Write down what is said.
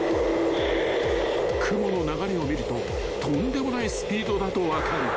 ［雲の流れを見るととんでもないスピードだと分かる］